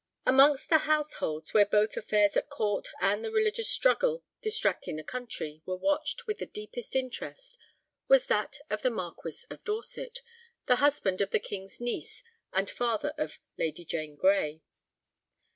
Amongst the households where both affairs at Court and the religious struggle distracting the country were watched with the deepest interest was that of the Marquis of Dorset, the husband of the King's niece and father of Lady Jane Grey.